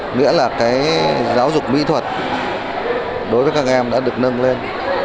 nghĩa là cái giáo dục mỹ thuật đối với các em đã được nâng lên